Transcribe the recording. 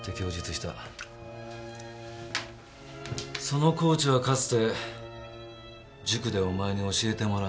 そのコーチはかつて塾でお前に教えてもらってた。